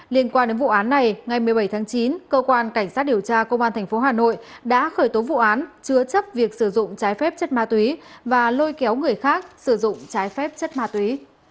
liên quan đến vụ án này ngày một mươi bảy tháng chín cơ quan cảnh sát điều tra công an tp hà nội đã khởi tố vụ án chứa chấp việc sử dụng trái phép chất ma túy và lôi kéo người khác sử dụng trái phép chất ma túy